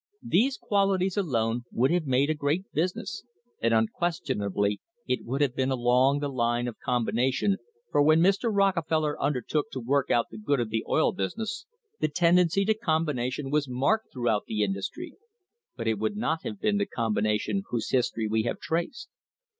These qualities alone would have made a great business, and unquestionably it would have been along the line of com bination, for when Mr. Rockefeller undertook to work out the good of the oil business the tendency to combination was marked throughout the industry, but it would not have been the combination whose history we have traced.